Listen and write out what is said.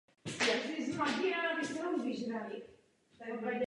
Kolem jeho vydavatelství se soustředil okruh předních českých autorů.